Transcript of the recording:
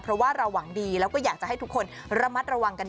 เพราะว่าเราหวังดีแล้วก็อยากจะให้ทุกคนระมัดระวังกัน